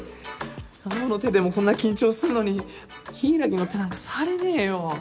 青の手でもこんな緊張するのに柊の手なんか触れねえよ。